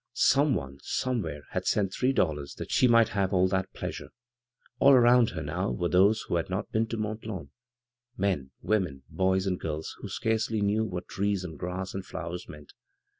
Some cme, somewhere, had sent three dollars that she might have all that pleasure. All around her now were those who had not been to Mont Lawn — men, women, boys, and girls who scarcely knew what trees and grass and flowers meant.